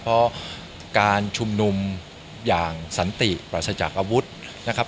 เพราะการชุมนุมอย่างสันติปราศจากอาวุธนะครับ